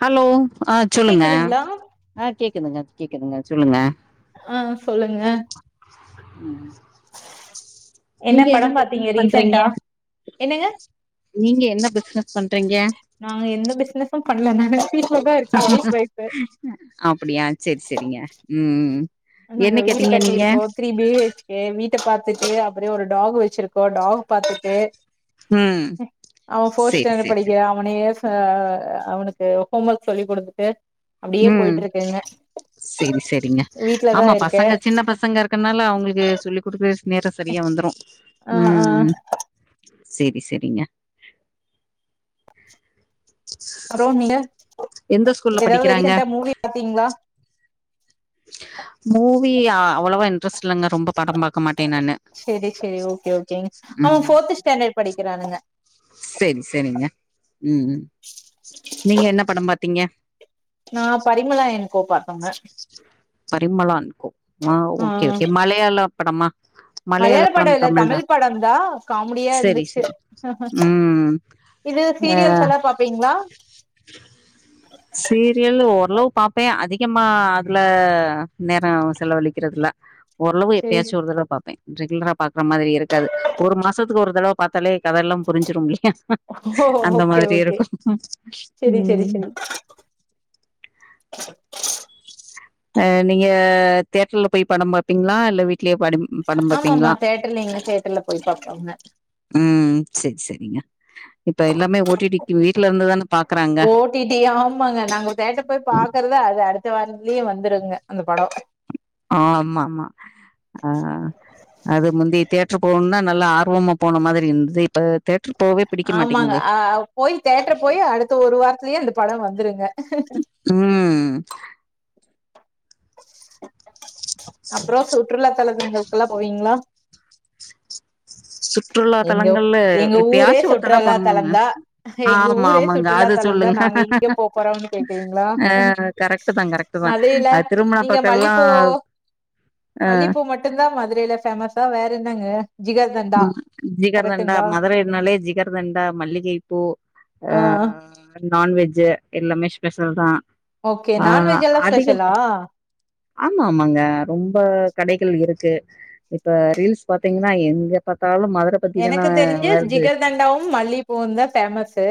Hello அ சொல்லுங்க கேக்குதுங்களா அ கேக்குதுங்க கேக்குதுங்க சொல்லுங்க. அ சொல்லுங்க. நீங்க என்ன படம் பாத்தீங்க பிஸ்னஸ் பண்றீங்க? ரீசென்டா என்னங்க நீங்க என்ன பிஸ்னஸ் பண்றீங்க? நா எந்த பிஸ்னஸு பண்ல நானு அப்டியா சேரி சேரிங்க ம் என்ன கேட்டீங்க நீங்க நீ இப்டியேக்கு வீட்ட பாத்துட்டு அப்றோ ஒரு டாக் வச்சுறு ப டாக் பாத்துட்டு ம் அவ ஃபோர் சரி ஸ்டேன்டர்டு சரி சரி படிக்கிறா ஒன்னியர்ஸா அவனுக்கு ஹோம் ஒர்க் சொல்லிகுடுத்துட்டு ம் சேரி சேரிங்க வீட்லதா ஆமா இருக்கே பசங்க சின்ன பசங்க இரு க்கனால அவுங்ளுக்கு சொல்லி குடுத்து நேர சரியா வந்துரு ஆ ஆ ம் சேரி சேரிங்க அப்றோ நீங்க எந்த ஸ்கூல்ல ஏதாவது படிக்கிறாங்க ரீசண்டா மூவி பாத்தீங்களா மூவி அவ்வளவா இன்ட்ரெஸ்ட் இல்லங்க ரொம்போ படம் பாக்க மாட்டே நானு சேரி சேரி ஓக்கே ஓக்கேங்க அவ ஃபோர்த் ஸ்டேண்டட் படிக்கறானுங்க சேர் சேரிங்க ம் நீங்க என்ன படம் பாத்தீங்க நா பரிமலா என் கோ பத்தோங்க பரிமள அன் கோ ஆ ஓக்கே ஓக்கே மளையாள படமா மலையாள மலையாளோ படோ படம் இல்ல தா தமிழ் படோன்தா காமெடியா சரி இருந்துச்சு சரி ம் இது ஆ சீரியல்ஸ் லா பாப்பீங்களா சீரியல் ஓரளவு பாப்பே அதிகமா அதுல நேரோ செலவழிக்கிறதுல ஓரளவு சேரி எப்பயாச்சு ஒரு தடவ பாப்பே ரெகுலர பாக்குற மாரி இருக்காது ஒரு மாசத்துக்கு ஒரு தடவ பாத்தாலே கதெயெல்லா புரிஞ்சிரும் இல்லையா ஓ அந்த ஓகே மாரி ஓகே இருக்கு செரி செரி உம் [inaudible] ஆ நீங்க தேட்டர்ல போய் படோ பாப்பீங்களா இல்ல வீட்லேயே பாட ஆமா ஆமா தேட்டர்ல எங்க தேட்டர்ல போய் பாப்போங்க உம் செரி செரிங்க இப்ப எல்லாமே ஓட்டிட்டிடுக்கு வீட்டுல இருந்துதானே பாக்குறாங்க ஓட்டிட்டி ஆமாங்க நாங்க தேட்டர்ல போய் பாக்குறதா அத அடுத்த வாரத்துலயே வந்துருங்க அந்த படோ ஆ ஆமா ஆமா ஆ அது முந்தி தேட்டரு போகணும்னா நல்லா ஆர்வமா போன மாரி இருந்தது இப்ப தேட்டரு போகவே பிடிக்க ஆமாங்க மாட்டேங்குதே. ஆ போய் தேட்டர் போய் அடுத்த ஒரு வாரத்துலயே அந்த படோ வந்துருங்க ம் அப்றோ சுற்றுலா தலங்களுக்குல்லா போவீங்ளா சுற்றுலா எங்க தலங்கள்ளு எங்க ஊரே எப்யாச்சு ஒரு தடவ சுற்றுலா பண்ணணுங்க தலந்தா எங்க ஆமா ஊரே ஆமாங்க சுற்றுலா அது தலந்தா சொல்லுங்க நாங்க எங்க போ போறோம்னு கேக்குறீங்களா ஆ கரெக்ட்டு தா கரெக்ட்டு தா மதுரையில அ திருமண நீங்க பக்கல்லா மல்லிப்பூ மல்லிப்பூ மட்டுந்தா மதுரைல ஃபேமஸ்ஸா வேற என்னங்க ஜிகர் தண்டா ஜிகர் தண்டா மதுரைனாலே ஜிகர் தண்டா மல்லிகை பூ ஆ நான் வெஜ்ஜு எல்லாமே ஸ்பெஷல் தா ஓகே ஆ நான்வெஜ் எல்லா அதிக ஸ்பெஷலா ஆமா ஆமாங்க ரொம்ப கடைகள் இருக்கு இப்ப ரீல்ஸ் பாத்தீங்கன்னா எங்க எப்ப பத்தாலு மதுர பத்தி தான எனக்கு தெரிஞ்ஜி வருது ஜிகர்தண்டாவு மல்லிப்பூவு தா பேஃமஸ்சு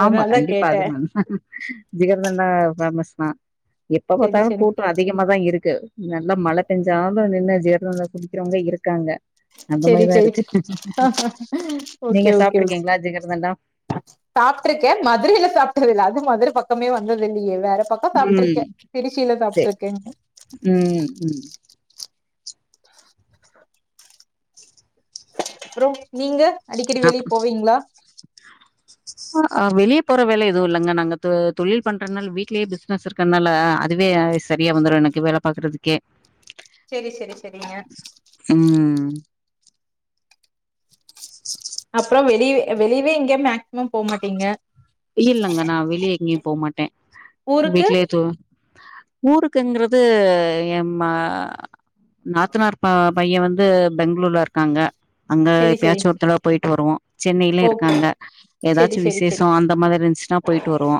ஆமா கண்டிப்பா அது ஜிகர் தண்டா பேமஸ் தா எப்ப செரி பாத்தாலு செரி கூட்டோ அதிகம தா இருக்கு நல்லா மழ பெஞ்சாலு நின்னு ஜிகர் தண்டா குடிக்கிறவங்க இருக்காங்க அந்த செரி மாதிரிதா செரி இருக்கு நீங்க சாப்டு இருக்கீங்களா ஜிகிர்தண்டா சாப்ருக்கே மதுரையில சாப்டது இல்ல அது மதுர பக்கமே வந்தது இல்லையே வேற பக் இப்ப ம் சாப்ட்ருக்கே திருச்சியில சேரி சாப்ட்டுருக்கே ம் ம் அப்புறோ நீங்க அடிக்கடி வெளிய போவீங்களா அ வெளிய போற வேல எதுவு இல்லங்க நாங்க து தொழில் பண்றதுனால வீட்லயே பிசினஸ் இருக் கனால அதுவே சரியா வந்துரு எனக்கு வேல பாக்கறதுக்கே செரி செரி செரிங்க ம் இச் அப்புறோ வெளிய வெளியவே எங்க மேக்சிமம் போமாட்டீங்க இல்லலங்க நா வெளியே எங்கேயு போ மாட்டே ஊருக்கு வீட்லயே து ஊருக்குங்குறது எ மா நாத்தனார் பா பைய வந்து பெங்க்ளூர்ல இருக்காங்க அங்க செரி செரி எப்பயாச்சு ஒரு தடவ போயிட்டு வருவோ சென்னையிலே ஓகே இருக்காங்க செரி ஏதாச்சு செரி செரி விசேஷோ அந் மாரி இருந்துச்சுன்னா போயிட்டு வருவோ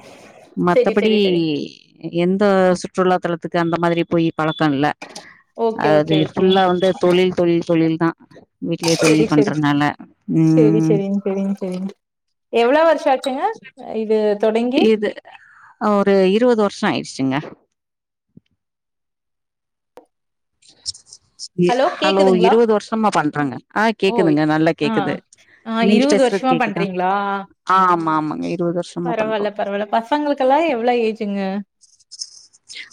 செரி மத்தபடி செரி செரிங் இ எந்த சுற்றுலாத்தலத்துக்கு அந்த மாதிரி போய் பழக்கோ இல்ல ஓகே அது ஓகே ஓகே ஃபுல்லா வந்து தொழில் தொழில் தொழில் தா வீட்லயே செரி தொழில் பண்றதுனால ம் செரிங்க செரிங்க எவ்ளோ வருஷ ஆச்சுங்க இது தொடங்கி இது ஒரு இருவது வருஷ ஆயிடுச்சுங்க இ ஹலோ இருவது வருஷமா பண்றாங்க ஆ ஓய் கேக்குதுங்க நல்லா ஆ கேக்குது ஆ நீங்க இருவது பேசுறது வருஷமா கேக்குதா பண்றீங்ளா ஆ ஆமா ஆமா இருவது வருஷமா பண்றோ பரவால்ல பரவால்ல பசங்களுக்கெல்லா எவ்ளோ ஏஜுங்க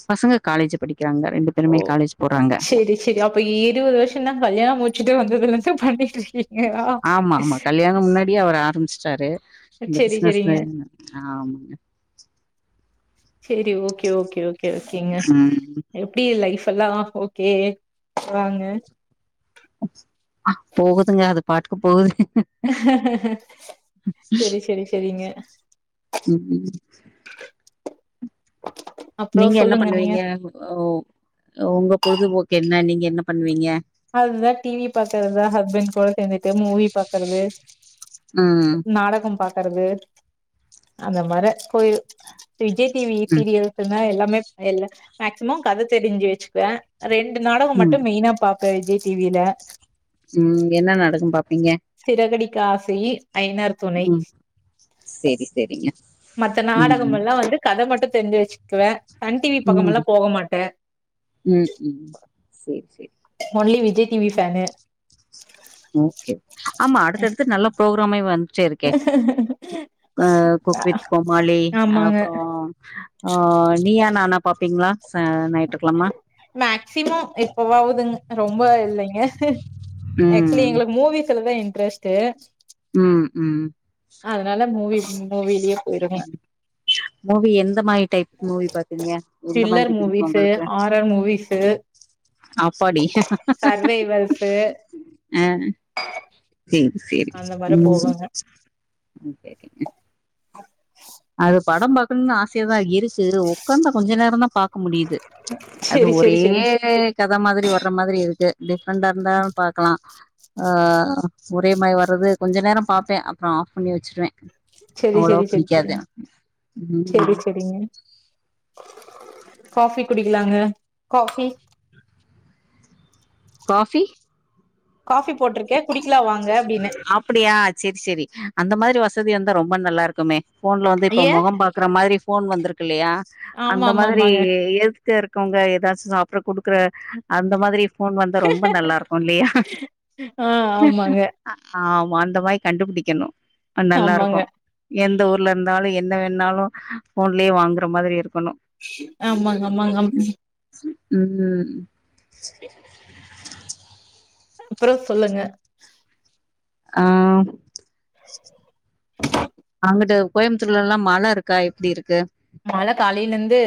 பசங்க காலேஜ் படிக்கிறாங்க ரெண்டு ஓ பேருமே காலேஜ் போறாங்க செரி செரி அப்ப இருவது வருஷமீனா கல்யண முடிச்சிட்டு வந்ததுல இருந்து பண்ணிட்ருக்கிங் ஆமா ஆமா கல்யாண முன்னாடியே அவர் ஆரம்பிச்சிட்டாரு இந்த செரி செரிங்க. பிசுனஸ்லேனு ஆமாங்க சேரி ஓகே ஓகே ஓகே ஓகேங்க ம் எப் டி லைஃப் எல்லா ஓகே வாங்க போகுதுங்க அது பாட்டுக்கு போகுது சரி சரி சரிங்க ம் அப்றோ நீங்க என்ன சொல்லுங்க நீங்க. பண்ணுவீங்க உ உங்க பொழுதுபோக்கு என்ன நீங்க என்ன பண்ணுவீங்க நல்லா டிவி பாக்குறது ஹஸ்பண்ட் கூட சேர்ந்துட்டு மூவி பாக்குறது ம் நாடக பாக்குறது அந்த மாரி போயி விஜய் டிவி ம் சீரியல்ஸ்ன்னா எல்லாமே எல் மேக்சிமம் கத தெரிஞ்சு வெச்சுக்குவே ரெண்டு நாடக மட்டு ம் மெய்னா பாப்ப விஜய் டிவில ம் என்ன நாடகோ பாப்பீங்க சிரகடிக்க ஆசை ஐநர் ம் செரி செரிங்க மத்த நாடகம் எல்லா வந்து கத மட்டு தெரிஞ்சு வெச்சுக்குவே சன் டிவி பக்கம் ம் எல்லா போக மாட்டே ம் ம் சேரி செரி only Vijay TV fan okay ஆமா அடுத்தடுத்து நல்ல புரோக்கிராமே வந்டே இருக் கே ஆ குக் வித் கோமாளி ஆமாங்க அப்புறோ ஆ நீயா நானா பாப்பீங்ளா ச ஞாயிற்றுக்கிழம மேக்சிமம் எப்பவாவதுங் ரொம்ப இல்லைங்க ஆக்சுலி ம் எங்களுக்கு மூவிஸ்லதா இன்ட்ரஸ்ட் ம் ம் அதனால மூவி மூவிலயே போயிருங்க மூவி எந்த மாரி டைப் மூவி பாப்பீங்க எந்த த்ரில்லர் மாரி பிடிக்கு மூவிஸு உங்களுக்கு ஹாரர் மூவிஸு அப்பாடி சர்வைவல்ஸு அ சேரி சேரி அந்த மாரி ம் போகுங்க ஓகே அது படம் பாக்கணுனு ஆசையாதா இரு க்கு உக்காந்தா கொஞ்ச நேரந்தா பாக்க முடிது அது செரி செரி ஒரே செரி கத மாரி வர்ற மாதிரி இருக்கு டிஃப்ரெண்டா இருந்தா பாக்கலா ஆ ஒரே மாரி வர்றது கொஞ்ச நேரம் பாப்பேன் அப்றோ ஆஃப் பண்ணி வெச்சிருவேன் செரி செரி செரி செரிங் ம் செரி செரிங் காஃபி குடிக்கலாங்க காஃபி காஃபி காஃபி போட்டிருக்கே குடிக்கலா வாங்க அப்டின்னே அப்டியா செரி செரி அந்த மாரி வசதியா இந்தா ரொம்ப நல்லா இருக்குமே ஃபோன்ல வந்து இப்ப ஏ மொகோ பாக்கற மாரி ஃபோன் வந்திருக்கு இல்லையா ஆமா அந்த ஆமா மாரி ஆமாங்க எ ட்ட இருக்கவங்க எதாச்சு சாப்ட குடுக்கற அந்த மாரி ஃபோன் வந்தா ரொம்ப நல்லா இருக்கு இல்லையா ஆ ஆமாங்க ஆமா அந்த மாரி கண்டுபிடிக்கணு அ நல்லா ஆமாங்க இருக்கு எந்த ஊர்ல இருந்தாலு என்ன வேணுணாலு ஃபோன்லயே வாங்குற மாரி இருக்கணு ஆமாங்க ஆமாங்க ம் அப்றோ சொல்லுங்க ஆ அங்குட்டு கோயம்புத்தூர்லல்லா மழ இருக்கா எப்டி இருக்கு மழ காலைலந்து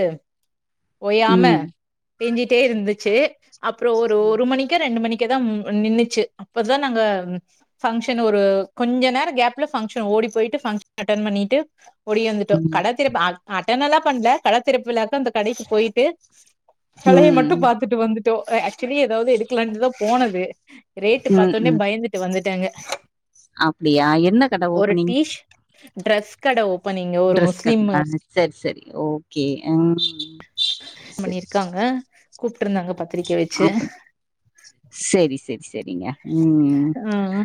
ஓயாம ம் பேஞ்சிட்டே இருந்துச்சு அப்றோ ஒரு ஒரு மணிக்கே ரெண்டு மணிக்கேதா நின்னுச்சு அப்பதா நாங்க ஃபங்கஷன் ஒரு கொஞ்ச நேரோ கேப்ல ஃபங்க்ஷன ஓடி போயிட்டு ஃப்ஷன் அட்டன் பண்ணிட்டு ஒடியாந்துட்டோ ம் கட திறப்பு அட்டனல்லா பண்ல கடைத்திறப்பு விழாக்கு அந்த கடைக்கு போயிட்டு கலைய மட்டு ம் பாத்துட்டு வந்துட்டோ ஆக்சுவலி எதாவது எடுக்கலான்ட்டுதா போனது ரேட்டு ம் பாத்தொன்னே ம் பயந்துட்டு வந்துட்டேங்க அப்படியா என்ன கட ஒரு ஓப்பனிங் டீஷ் ட்ரெஸ் கட ஓப்பனிங்கு ஒரு முஸ்லிம்மு செரி செரி ஓகே ம் பண்ணி இருக்காங்க கூப்ட்டிருந்தாங்க பாத்து ஆஃப் பண் செரி செரி செரிங்க ம் ம்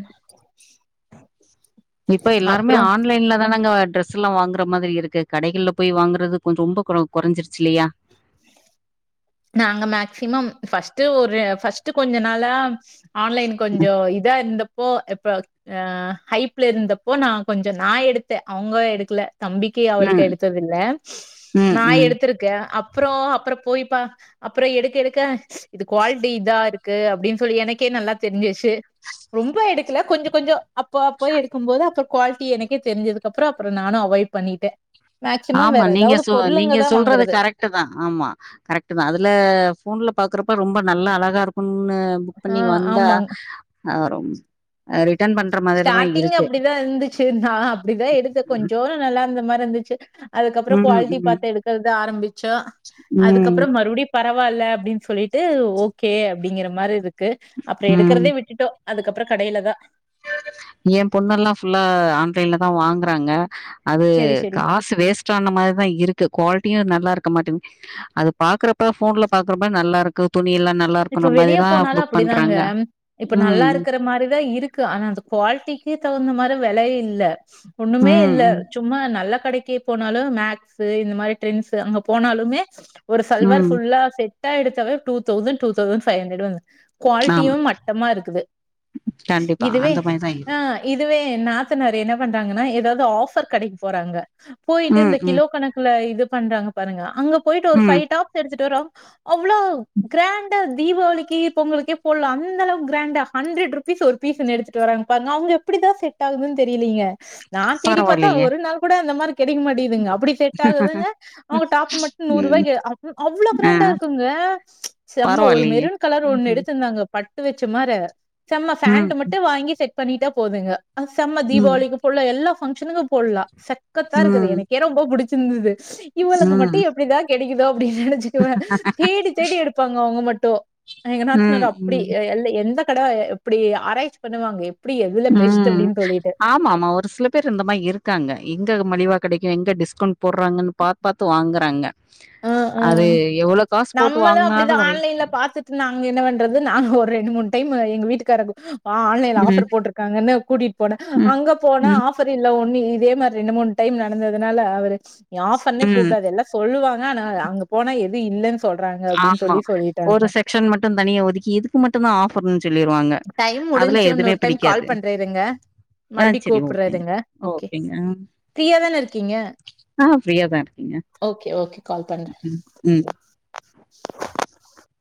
இப்ப எல்லாருமே அப்றோ ஆன்லைன்லதானங்க டிர ஸெல்லா வாங்கற மாதிரி இருக்கு கடைகள்ல போய் வாங்கறது கொஞ்சோ ரொம்ப குறைஞ்சிருச்சு இல்லையா நாங்க மேக்சிமம் ஃபர்ஸ்ட் ஒரு ஃபர்ஸ்ட் கொஞ்ச நாளா ஆன்லைன் ம் கொஞ்சோ இதா இருந்த ப்போ இப்ப அ ஹைப்ல இருந்தப்போ நா கொஞ்சோ நா எடுத்தன் அவுங்க எடுக்கல தம்பி க்கி அவருக்கு ம் எடுத்தத இல்ல ம் நா ம். எடுத்திருக்க அப்றோ அப்றோ போய் பா அப்றோ எடுக்க எடுக்க இது குவாலிட்டி இதா இருக்கு அப்டின்னு சொல்லி எனக்கே நல்லா தெரிஞ்சிருச்சு ரொம்ப எடுக்கல கொஞ்சோ கொஞ்சோ அப்ப அப்ப எடுக்கும்போது அப்றோ குவாலிட்டி எனக்கே தெரிஞ்சதுக்கப்றோ நானு அவாய் பண்ணிட்டு மேக்சிமம் ஆமா வேற நீங்க ஏதாவது சொ பொருளுங்க நீங்க தா சொல்றது வாங்குறது கரெக்ட் தா ஆமா கரெக்ட் தா அதுல போன்ல பாக்குறப்ப ரொம்ப நல்லா அழகா இருக்குன்னு புக் ஆ பண்ணி வந்தா ஆமாங் அ ரொம் அ ரிட்டன் பண்ற மாதிரி தா இருக்கு சேரி நா அப்டிதா எடுத்தே கொஞ்சோ நல்லா இருந்த மாரி இருந்துச்சு அதுக்கப்றோ ம் குவாலிட்டி ம் பாத்து எடுக்கறது ஆரம்பிச்சோ ம் அதுக்கப்பறோ மறுடியு பரவாயில்ல அப்டின்னு சொல்லிட்டு ஓகே அப்டிங்கிற மாரி இருக்கு அப்றோ ம் எடுக்கிறதே விட்டுட்டோ அதுக்கப்பறோ கடையில தா எ பொண்ணு எல்லா புல்லா ஆன்லைன்ல தா வாங்குறாங்க அது சரி சரி கா சு வேஸ்ட் ஆன மாரிதா இருக்கு குவாலிட்டியு நல்லா இருக்க மாட்டிங் அது பாக்குறப்ப போன்ல பாக்குறப்ப நல்ல இருக்கு துணி எல்லா இப்ப வெளிய போனாலு அப்டிதாங்க இப்ப நல்லா ம். இருக்கிற மாரிதா இருக்கு ஆனா அது குவாலிட்டிக்கு தகுந்த மாரி வில இல்ல ஒண்ணுமே ம், இல்ல ம், சும்மா நல்ல கடைக்கு போனாலு மேக்ஸ் இந்த மாரி ட்ரெண்ட்ஸ் அங்க போனாலுமே ஒரு சல்வார் ம். ஃபுல்லா செட் டா எடுத்தா வே two thousand two thousand five hundred வந்து குவாலிட்டியு ஆமா. மட்டமா இருக்குது கண்டிப்பா. இதுவே அந்த மாரி தான் ஆ இருக்கு. இதுவே நாத்தனார் என்ன பண்றாங்கன்னா ஏதாவது ஆஃபர் கடைக்கு போறாங்க போயிட்டு ம், இந்த ம், கிலோ கணக் ல இது பண்றாங்க பாருங்க அங்க போயிட்டு ஒரு ஃபை ம். டாப்ஸ் எடுத்துட்டு வருவா அவ்ளோ கிராண் டா தீபாவளிக்கி பொங்கலுக்கே போட்லா அந்த அளவுக்கு கிராண்டா ஹண்ட்ரட் ருபீஸ் ஒரு பீஸ்னு எடுத்துட்டு வராங்க பாருங்க அவங்க எப்படிதா செட் ஆகுதுன்னு தெரியலேங்க நா தேடி பாத்தா பரவாயில்லையே! ஒரு நாள் கூட அந்த மாரி கிடைக் மாட்டிகிதுங்க அப்டி செட் ஆகுதுங்க அவுங்க டாப் மட்டு நூறு ம். ரூவாய்கு அவ் அவ்ளோ ஆ கிராண்டா இருக்குங்க செம்ம ஒரு பரவாயில்லையே! மெருன் கலர் ஒண்ணு ம்ஹ்ம். எடுத் துந்தாங்க பட்டு வச்ச மாரு செம்ம ஃபாண்ட் ம், மட்டு வாங்கி செட் பண்ணிட்டா போதுங்க அ செம்ம ம், தீபாவளிக்கு போடலா எல்லா ஃபங்க்ஷனுக்கு போடலா செக்கத்தா இருக்குது ம், எனக்கே ரொம்ப புடிச்சிருந்தது இவளுக்கு மட்டு ம், எப்டிதா கெடைக்கிதோ அப்டி நெனச்சுக்குவே தேடி தேடி எடு அவங்க மட்டு எங்க நாத்தனார் ம், அப்டி ம், அ எ எ எந்த கட எப்டி ஆராய்ச்சி பண்ணுவாங்க அப்டி எதுல பெஸ்ட் அப்படின்னு சொல்லிட்டு ஆமா ஆமா ஒரு சில பேர் இந்த மாயி இருக்காங்க எங்க மலிவா கிடைக்கு எங்க டிஸ்கவுண்ட் போடுறாங்கன்னு பாத்து பாத்து வாங்குறாங்க அ, அ. அது எவ்ளோ காசு போட்டு நம்மளும் வாங்குனாலு அப்படிதான் வரு ஆன்லைன்ல பாத்துட்டு நாங்க என்ன பண்றது நாங்க ஒரு ரெண்டு மூணு டைம் எங்க வீட்டுக்காரக்கு வா ஆன்லைன்ல ம், ஆஃபர் போட்டிருக்காங்கன்னு கூட்டிட்டு போன ம், அங்க போனா ம், ஆஃப் ஃபரி இல்ல ஒன்னு இதே மாரி ரெண்டு மூணு டைம் நடந்ததுனால அவரு நீ ஆஃபர்னே ம். கூப்பிடாத எல்லாம் சொல்லுவாங்க னானா அங்க போனா எது இல்லைன்னு சொல்றாங்க அப்டின்னு சொல்லி சொல்லிட்டாங்க ஷன் மட்டு தனியா ஒதுக்கி இதுக்கு மட்டும் தா ஆஃபர்ன்னு சொல்லிருவாங்க டைம் அதுல முடிஞ்சு எதுவுமே இன்னொரு டைம் கால் பிடிக்காது. பண்றே இருங்க ஆ மறுபடியு சரி கூப்பிடுறே ஓகேங்க. இருங்க ஓகே ஓகேங்க. ஃப்ரீயாதானே இருக்கீங்க ஆ ஃப்ரீயா தான் இருக்கேங்க. ஓகே ஓகே கால் பண்றே ம், ம் [inaudible]